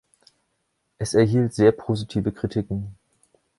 Es erhielt sehr positive Kritiken.